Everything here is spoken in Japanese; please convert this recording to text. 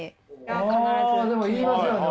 あでも言いますよね。